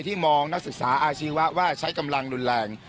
มองนักศึกษาอาชีวะว่าใช้กำลังรุนแรง